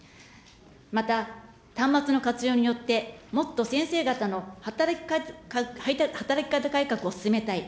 また、端末の活用によって、もっと先生方の働き方改革を進めたい。